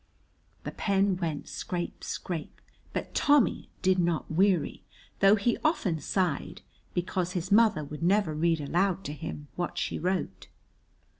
The pen went scrape, scrape, but Tommy did not weary, though he often sighed, because his mother would never read aloud to him what she wrote.